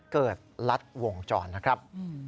เกิดรัดวงจรนะครับ